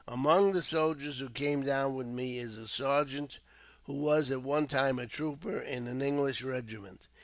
"Among the soldiers who came down with me is a sergeant who was at one time a trooper in an English regiment.